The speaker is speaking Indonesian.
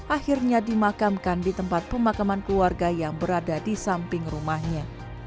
akhirnya dimakamkan di tempat pemakaman keluarga yang berada di samping rumahnya